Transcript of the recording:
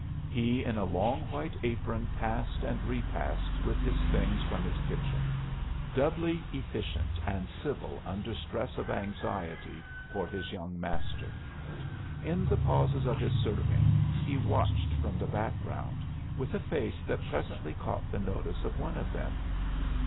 He in a long white apron passed and re passed with his things from his kitchen, doubly efficient and civil under stress of anxiety for his young master. In the pauses of his serving he watched from the background, with a face that presently caught the notice of one of them.